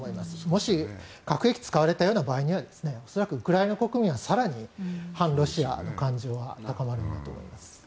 もし、核兵器を使われたような場合には恐らくウクライナ国民は更に反ロシアの感情は高まるだろうと思います。